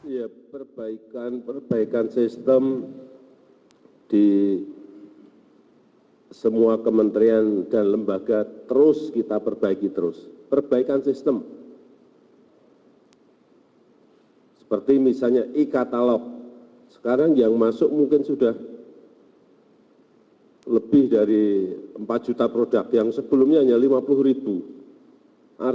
jokowi menyebut akan menghormati proses hukum serta mendorong pembenahan sistem pengadaan di kementerian dan lembaga